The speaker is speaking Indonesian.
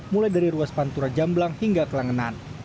mulai dari ruas pantura jamblang hingga kelangenan